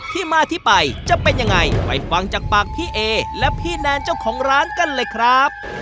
ที่มาที่ไปจะเป็นยังไงไปฟังจากปากพี่เอและพี่แนนเจ้าของร้านกันเลยครับ